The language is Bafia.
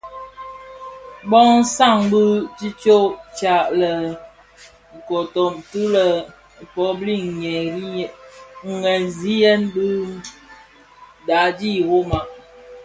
Bö san bi tishyo tya lè koton ti lè publins nghemziyèn ti daadi i Roma.